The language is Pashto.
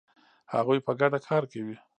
هغوی په ګډه کار کاوه.